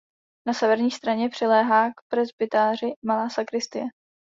Na severní straně přiléhá k presbytáři malá sakristie.